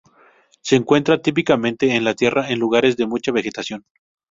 Se encuentran típicamente en la tierra en lugares de mucha vegetación.